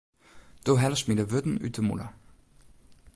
Do hellest my de wurden út de mûle.